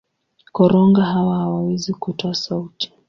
Korongo hawa hawawezi kutoa sauti.